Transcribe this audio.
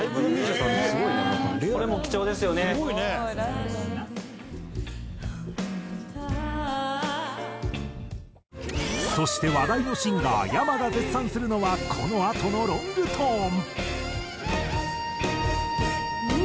「カサさして歩いた」そして話題のシンガーｙａｍａが絶賛するのはこのあとのロングトーン。